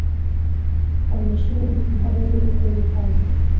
Onyesheni jitihada zenu kwenye kazi.